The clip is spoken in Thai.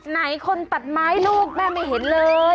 ไหนคนตัดไม้ลูกแม่ไม่เห็นเลย